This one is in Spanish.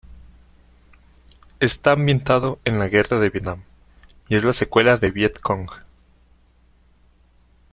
Está ambientado en la Guerra de Vietnam y es la secuela de "Vietcong".